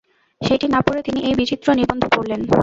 সেইটি না পড়ে তিনি এই বিচিত্র নিবন্ধ পড়লেন।